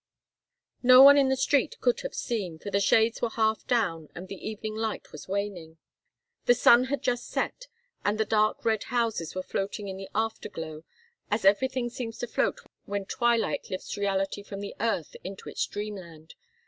No one in the street could have seen, for the shades were half down and the evening light was waning. The sun had just set, and the dark red houses were floating in the afterglow, as everything seems to float when twilight lifts reality from the earth into its dreamland.